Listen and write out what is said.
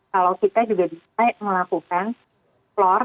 kalau kita juga bisa melakukan floor